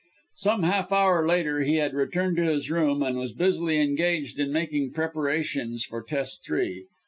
Some half hour later he had returned to his room, and was busily engaged making preparations for test three.